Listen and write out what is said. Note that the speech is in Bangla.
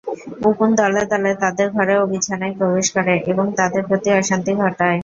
উকুন দলে দলে তাদের ঘরে ও বিছানায় প্রবেশ করে এবং তাদের প্রতি অশান্তি ঘটায়।